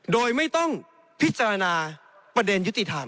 โดยไม่ต้องพิจารณาประเด็นยุติธรรม